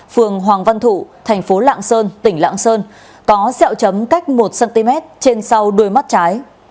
phường hoàng văn thụ thành phố lạng sơn tỉnh lạng sơn có xẹo chấm cách một cm trên sau đuôi mắt trái